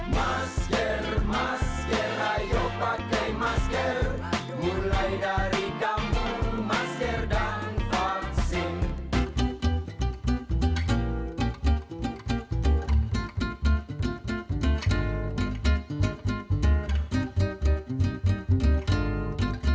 masker masker ayo pakai masker mulai dari kampung masker dan torksin